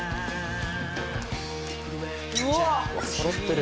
うわあ！そろってる。